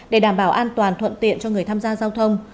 để đảm bảo an toàn thuận tiện cho người tham gia giao thông